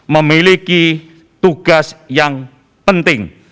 memiliki tugas yang penting